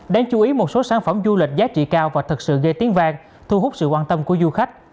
đáng chú ý một số sản phẩm du lịch giá trị cao và thực sự gây tiếng vang thu hút sự quan tâm của du khách